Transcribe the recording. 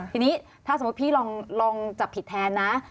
ทีนี้ถ้าสมมุติพี่ลองจับผิดแทนนะ